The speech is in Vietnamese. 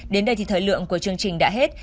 đến đây thì thời lượng của chương trình đã hết